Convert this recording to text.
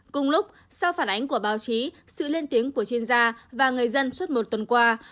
cùng lúc sau phản ánh của báo chí sự lên tiếng của chuyên gia và người dân suốt một tuần qua